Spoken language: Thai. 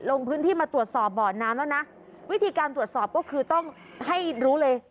ลงพื้นที่มาตรวจสอบบ่อน้ำแล้วนะวิธีการตรวจสอบก็คือต้องให้รู้เลย